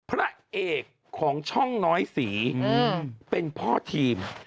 พระเอกของช่องน้อยสีเป็นพ่อทีม